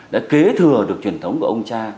đã kế thừa được truyền thống của ông cha